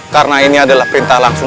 karena ini adalah perintah langsung